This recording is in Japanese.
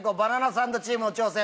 サンドチームの挑戦